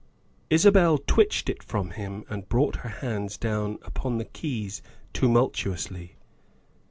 Isabel twitched it from him and brought her hands down upon the keys tumultuously.